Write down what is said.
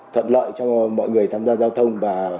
thuận lợi cho mọi người tham gia giao thông và